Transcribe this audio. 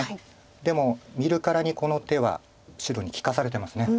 でも見るからにこの手は白に利かされてます。